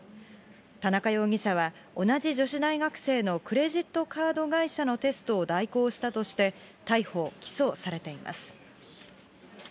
田中容疑者は、同じ女子大学生のクレジットカード会社のテストを代行したとして、逮捕・起訴されています。